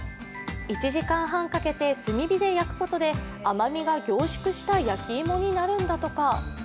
１時間半かけて炭火で焼くことで甘みが凝縮した焼き芋になるんだとか。